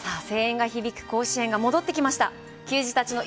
声援が響く甲子園が戻ってきました。